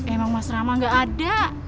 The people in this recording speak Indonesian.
emang mas rama gak ada